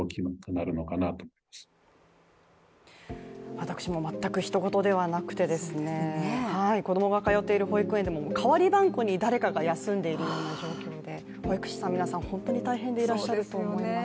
私も全くひと事ではなくて子供が通っている保育園でも、かわりばんこに誰かが休んでいるような状況で保育士さんの皆さん本当に大変でいらっしゃると思います。